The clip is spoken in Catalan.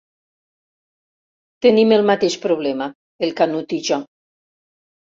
Tenim el mateix problema, el Canut i jo.